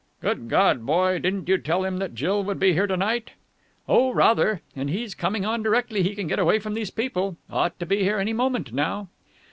"Good God, boy! Didn't you tell him that Jill would be here to night?" "Oh, rather. And he's coming on directly he can get away from these people. Ought to be here any moment now."